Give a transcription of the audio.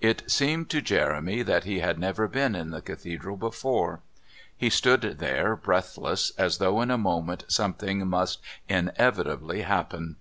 It seemed to Jeremy that he had never been in the Cathedral before; he stood there, breathless, as though in a moment something must inevitably happen.